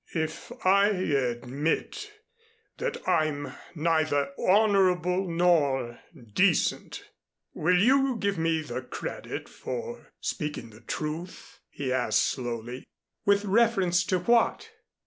"If I admit that I'm neither honorable nor decent, will you give me the credit for speaking the truth?" he asked slowly. "With reference to what?"